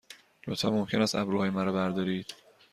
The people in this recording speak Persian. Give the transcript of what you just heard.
لطفاً ممکن است ابروهای مرا بردارید؟